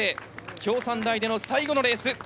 京産大での最後のレースです。